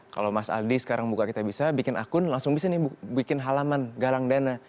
kalau mas aldi sekarang buka kitabisa bikin akun langsung bisa nih bikin halaman galang dana